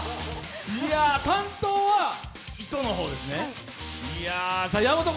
担当は糸の方ですね。